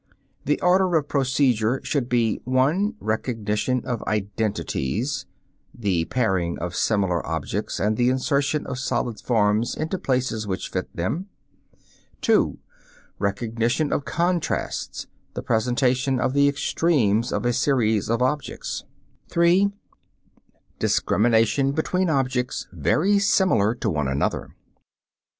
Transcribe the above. The order of procedure should be: (1) Recognition of identities (the pairing of similar objects and the insertion of solid forms into places which fit them). (2) Recognition of contrasts (the presentation of the extremes of a series of objects). (3) Discrimination between objects very similar to one another.